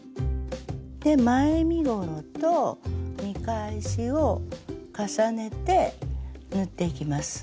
で前身ごろと見返しを重ねて縫っていきます。